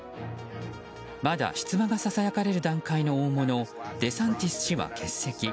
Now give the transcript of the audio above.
まだ出馬がささやかれる段階の大物、デサンティス氏は欠席。